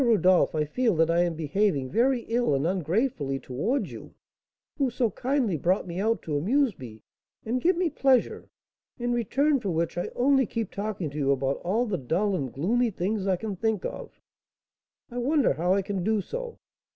Rodolph, I feel that I am behaving very ill and ungratefully towards you, who so kindly brought me out to amuse me and give me pleasure; in return for which I only keep talking to you about all the dull and gloomy things I can think of! I wonder how I can do so!